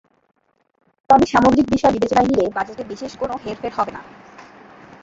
তবে সামগ্রিক বিষয় বিবেচনায় নিলে বাজেটে বিশেষ কোনো হেরফের হবে না।